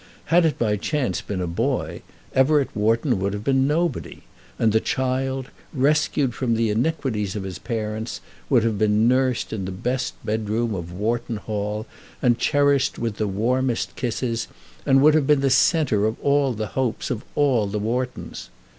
Had it by chance been a boy, Everett Wharton would have been nobody; and the child, rescued from the iniquities of his parents, would have been nursed in the best bedroom of Wharton Hall, and cherished with the warmest kisses, and would have been the centre of all the hopes of all the Whartons.